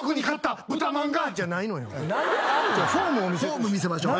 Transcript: フォーム見せましょう。